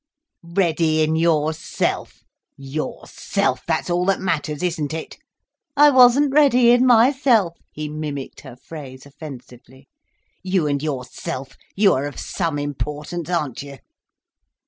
"'Ready in yourself'—yourself, that's all that matters, isn't it! 'I wasn't ready in myself,'" he mimicked her phrase offensively. "You and yourself, you're of some importance, aren't you?"